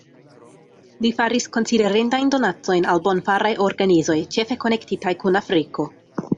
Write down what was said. Li faris konsiderindajn donacojn al bonfaraj organizoj, ĉefe konektitaj kun Afriko.